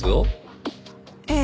ええ。